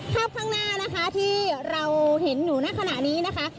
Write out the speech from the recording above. ภาพข้างหน้านะคะที่เราเห็นอยู่ในขณะนี้นะคะ